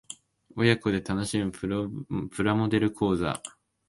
親子で楽しむプラモデル講座